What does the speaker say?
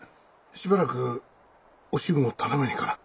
しばらくお俊を頼めねえかな？